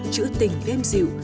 chữ tình đem dịu